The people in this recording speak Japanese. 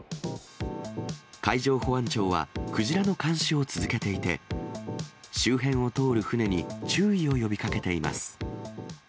海上保安庁は、クジラの監視を続けていて、周辺を通る船に注意を呼びかけています。